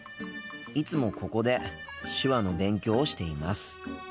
いつもここで手話の勉強をしています。